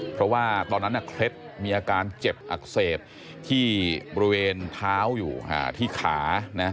เพราะว่าตอนนั้นเคล็ดมีอาการเจ็บอักเสบที่บริเวณเท้าอยู่ที่ขา